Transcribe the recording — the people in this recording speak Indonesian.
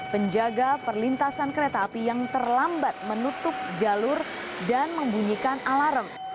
penjaga perlintasan kereta api yang terlambat menutup jalur dan membunyikan alarm